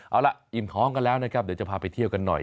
เอาล่ะอิ่มท้องกันแล้วนะครับเดี๋ยวจะพาไปเที่ยวกันหน่อย